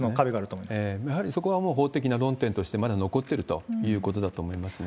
やはりそこはもう法的な論点としてまだ残ってるということだと思いますね。